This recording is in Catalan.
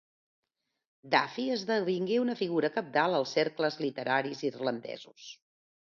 Duffy esdevingué una figura cabdal als cercles literaris irlandesos.